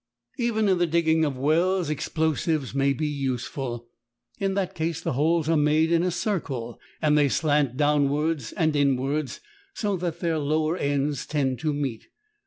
Even in the digging of wells explosives may be useful. In that case the holes are made in a circle, and they slant downwards and inwards, so that their lower ends tend to meet.